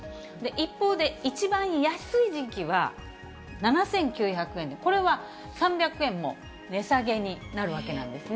一方で、一番安い時期は７９００円で、これは３００円も値下げになるわけなんですね。